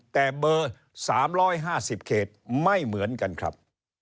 แต่เบอร์๓๕๐เขตไม่เหมือนกันครับ